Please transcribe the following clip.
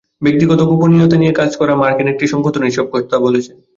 ব্যক্তিগত গোপনীয়তা নিয়ে কাজ করা মার্কিন একটি সংগঠন এসব কথা বলেছে।